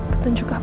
petunjuk apa mas